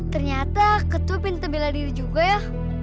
ternyata ketua pinter bela diri juga ya